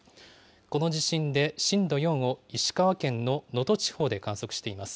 この地震で震度４を石川県の能登地方で観測しています。